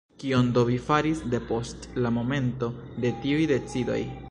Kion do vi faris depost la momento de tiuj decidoj?